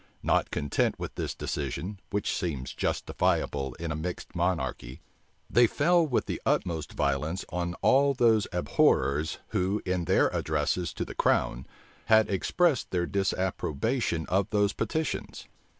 Not content with this decision, which seems justifiable in a mixed monarchy, they fell with the utmost violence on all those abhorrers, who in their addresses to the crown, had expressed their disapprobation of those petitions.